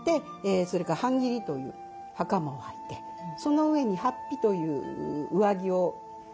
それから半切という袴をはいてその上に法被という上着を着るという。